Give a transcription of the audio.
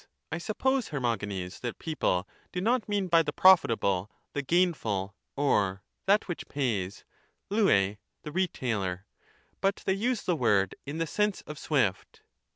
I suppose, Hermogenes, that people do not mean by the profitable the gainful or that which pays {Ivti) the retailer, but they use the word in the sense of swift.